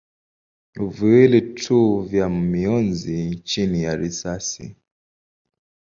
viwili tu vya mionzi chini ya risasi.